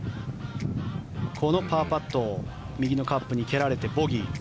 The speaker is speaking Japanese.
このパーパット右のカップに蹴られてボギー。